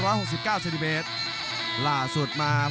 และอัพพิวัตรสอสมนึก